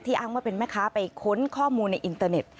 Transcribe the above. อ้างว่าเป็นแม่ค้าไปค้นข้อมูลในอินเตอร์เน็ต